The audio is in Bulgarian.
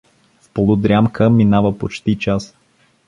… В полудрямка минава почти час.